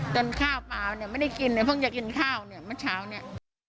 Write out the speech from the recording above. จนข้าวเปล่าไม่ได้กินเพิ่งจะกินข้าวมาเช้าเนี่ย